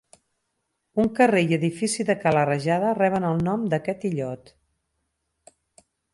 Un carrer i edifici de Cala Rajada reben el nom d'aquest illot.